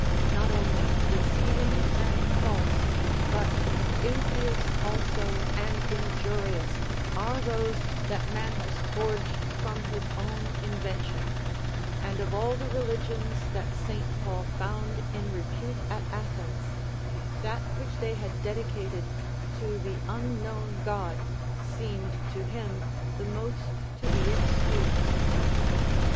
Not only deceiving and false, but impious also and injurious, are those that man has forged from his own invention: and of all the religions that St. Paul found in repute at Athens, that which they had dedicated "to the unknown God" seemed to him the most to be excused.